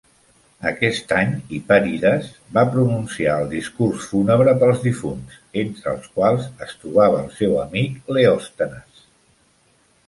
Aquest any, Hipèrides va pronunciar el discurs fúnebre pels difunts, entre els quals es trobava el seu amic Leòstenes.